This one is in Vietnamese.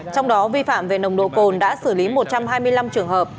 trong đó vi phạm về nồng độ cồn đã xử lý một trăm hai mươi năm trường hợp